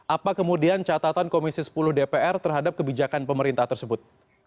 apa kemudian catatan komisi sepuluh dpr terhadap kebijakan pemerintah tersebut